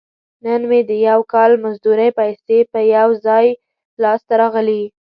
نن مې د یو کال مزدورۍ پیسې په یو ځای لاس ته راغلي.